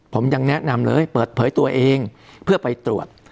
ผมยังแนะนำเลยเปิดเผยตัวเองเพื่อไปตรวจ